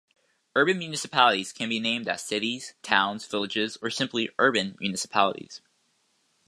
Urban municipalities can be named as cities, towns, villages or simply urban municipalities.